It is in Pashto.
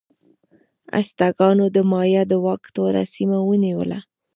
ازتکانو د مایا د واک ټوله سیمه ونیوله.